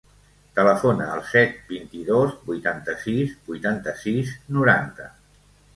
Telefona al set, vint-i-dos, vuitanta-sis, vuitanta-sis, noranta.